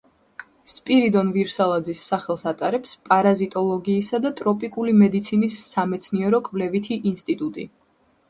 სპირიდონ ვირსალაძის სახელს ატარებს პარაზიტოლოგიისა და ტროპიკული მედიცინის სამეცნიერო-კვლევითი ინსტიტუტი.